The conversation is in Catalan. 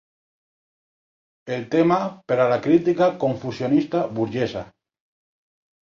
El tema per a la crítica confusionista burgesa.